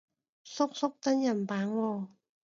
叔叔真人版喎